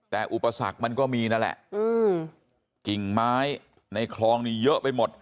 แต่อุปสรรคมันก็มีนั่นแหละกิ่งไม้ในคลองนี้เยอะไปหมด